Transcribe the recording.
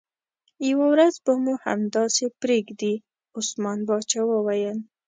یوه ورځ به مو همداسې پرېږدي، عثمان باچا وویل.